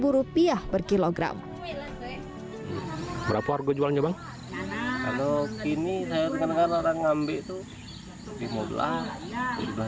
rupiah per kilogram berapa harga jualnya bang kalau kini saya rekan rekan orang ngambek tuh